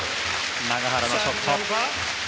永原のショット。